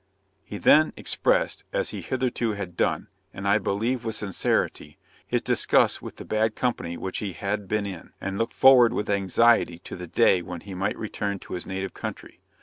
He then expressed, as he hitherto had done (and I believe with sincerity), his disgust with the bad company which he had been in, and looked forward with anxiety to the day when he might return to his native country.